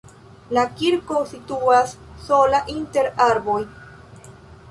La kirko situas sola inter arboj.